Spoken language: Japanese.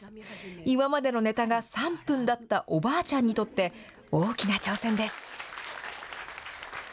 今までのネタが３分だったおばあちゃんにとって、大きな挑戦です。